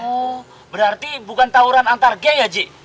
oh berarti bukan tawuran antar gey ya ji